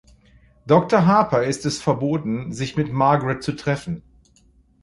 Dr. Harper ist es verboten, sich mit Margaret zu treffen.